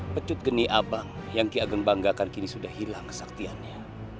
pecut geni abang yang ki ageng banggakan kini sudah hilang kesaktiannya